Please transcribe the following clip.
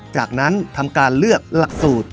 จากนั้นทำการเลือกหลักสูตร